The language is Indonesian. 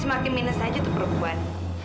semakin minus aja tuh perempuan